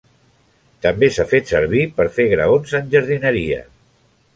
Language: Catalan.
També s'ha fet servir per fer graons en jardineria.